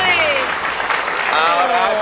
เย็นหน่อย